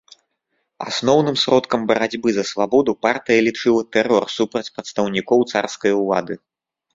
Асноўным сродкам барацьбы за свабоду партыя лічыла тэрор супраць прадстаўнікоў царскай улады.